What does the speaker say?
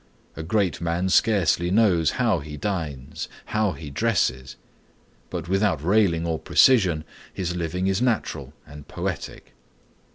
A great man scarcely knows how he dines, how he dresses; but without railing or precision his living is natural and poetic.